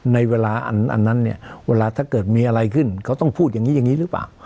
ในเวลาอันนั้นเนี่ยเวลาถ้าเกิดมีอะไรขึ้นเขาต้องพูดอย่างนี้อย่างนี้หรือเปล่า